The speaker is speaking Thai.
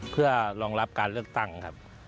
เพื่อรองรับการเลือกตั้งครับ